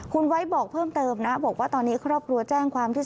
คุณไว้บอกเพิ่มเติมนะบอกว่าตอนนี้ครอบครัวแจ้งความที่